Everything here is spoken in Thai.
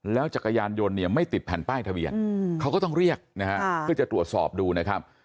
จักรยานยนต์เนี่ยไม่ติดแผ่นป้ายทะเบียนเขาก็ต้องเรียกนะฮะเพื่อจะตรวจสอบดูนะครับ